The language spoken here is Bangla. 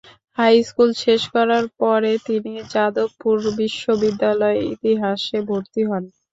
হাই স্কুল শেষ করার পরে তিনি যাদবপুর বিশ্ববিদ্যালয়ে ইতিহাসে ভর্তি হন।